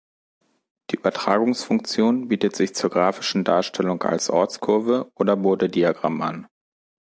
Die Übertragungsfunktion bietet sich zur graphischen Darstellung als Ortskurve oder Bodediagramm an.